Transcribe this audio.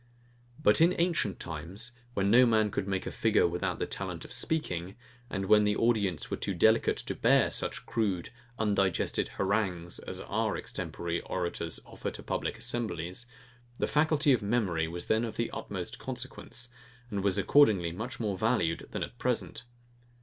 But in ancient times, when no man could make a figure without the talent of speaking, and when the audience were too delicate to bear such crude, undigested harangues as our extemporary orators offer to public assemblies; the faculty of memory was then of the utmost consequence, and was accordingly much more valued than at present.